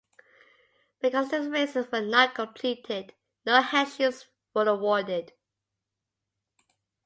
Because the races were not completed, no headships were awarded.